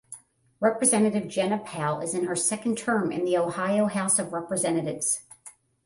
Representative Jena Powell is in her second term in the Ohio House of Representatives.